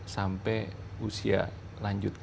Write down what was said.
sampai usia lanjut